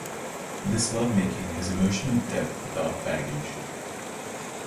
This lovemaking has emotional depth without baggage.